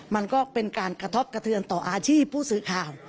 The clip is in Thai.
มันก็เป็นการกระทบกระเทือนต่ออาชีพผู้สื่อข่าว